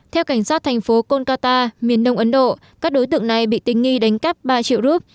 theo cảnh sát thành phố con qatar miền đông ấn độ các đối tượng này bị tình nghi đánh cắp ba triệu rup